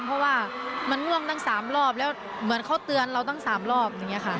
เพราะว่ามันง่วงตั้ง๓รอบแล้วเหมือนเขาเตือนเราตั้ง๓รอบอย่างนี้ค่ะ